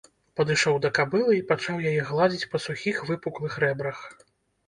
Падышоў да кабылы і пачаў яе гладзіць па сухіх выпуклых рэбрах.